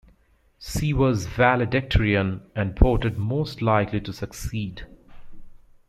She was Valedictorian and voted Most Likely To Succeed.